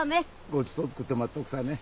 ごちそう作って待っとくさぁね。